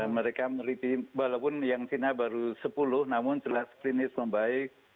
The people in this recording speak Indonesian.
mereka melipi walaupun yang sina baru sepuluh namun telah klinis membaik